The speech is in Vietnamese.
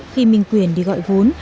khi minh quyền đi gọi vốn